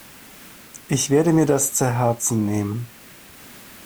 Ich werde mir das zu Herzen nehmen.